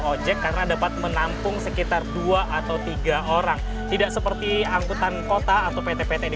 ojek karena dapat menampung sekitar dua atau tiga orang tidak seperti angkutan kota atau pt pt di